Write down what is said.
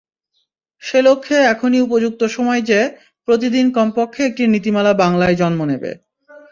সেলক্ষ্যে এখনই উপযুক্ত সময় যে, প্রতিদিন কমপক্ষে একটি নীতিমালা বাংলায় জন্ম নেবে।